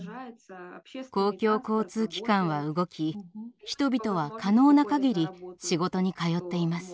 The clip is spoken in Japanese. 公共交通機関は動き人々は可能なかぎり仕事に通っています。